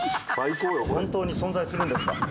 本当に存在するんですか？